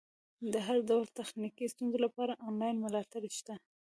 د هر ډول تخنیکي ستونزې لپاره انلاین ملاتړ شته.